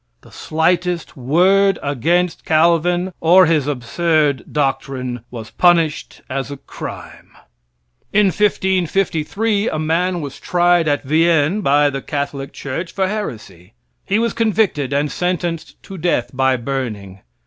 The slightest word against Calvin or his absurd doctrine was punished as a crime. In 1553, a man was tried at Vienne by the Catholic church for heresy. He was convicted and sentenced to death by burning.